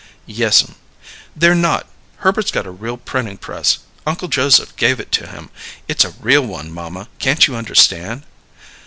"Yes'm. They're not. Herbert's got a real printing press; Uncle Joseph gave it to him. It's a real one, mamma, can't you understand?"